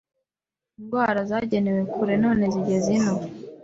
Indwara zagenewe kure!none zigeze ino